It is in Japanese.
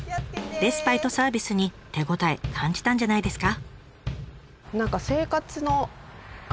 レスパイトサービスに手応え感じたんじゃないですか？